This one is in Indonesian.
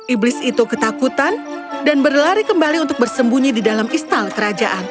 iblis itu ketakutan dan berlari kembali untuk bersembunyi di dalam istal kerajaan